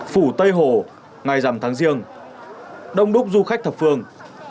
phủ tây hồ ngày rằm tháng riêng đông đúc du khách thập phương